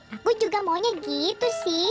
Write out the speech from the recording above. aku juga maunya gitu sih